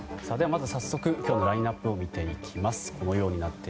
まず早速今日のラインアップを見ていきます。